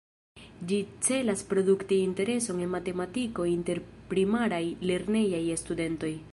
Ĝi celas produkti intereson en matematiko inter Primaraj lernejaj studentoj.